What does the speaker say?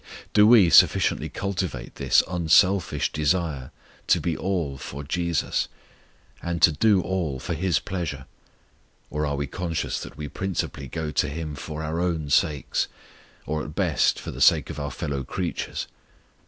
Do we sufficiently cultivate this unselfish desire to be all for JESUS, and to do all for His pleasure? Or are we conscious that we principally go to Him for our own sakes, or at best for the sake of our fellow creatures?